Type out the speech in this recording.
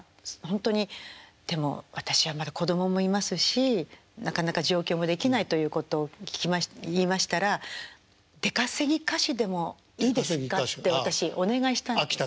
ほんとにでも私はまだ子供もいますしなかなか上京もできないということを言いましたら「出稼ぎ歌手でもいいですか？」って私お願いしたんです。